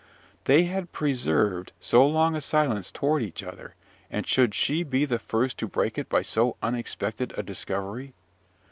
They had preserved so long a silence toward each other and should she be the first to break it by so unexpected a discovery?